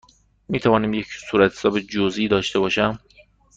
می توانم یک صورتحساب جزئی داشته باشم؟